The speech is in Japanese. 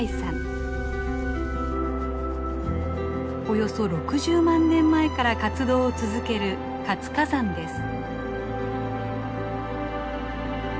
およそ６０万年前から活動を続ける活火山です。